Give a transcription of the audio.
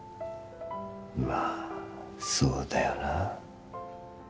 まあそうだよな